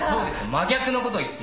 真逆のことを言っている。